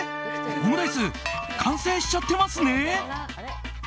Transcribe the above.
オムライス完成しちゃってますね。